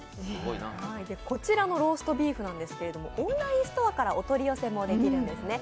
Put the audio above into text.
こちらのローストビーフ、オンラインストアからお取り寄せもできるんですね。